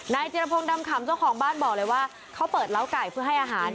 จิรพงศ์ดำขำเจ้าของบ้านบอกเลยว่าเขาเปิดเล้าไก่เพื่อให้อาหาร